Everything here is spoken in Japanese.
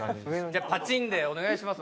じゃあパチンでお願いします